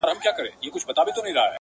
له سنگر څخه سنگر ته خوځېدلی٫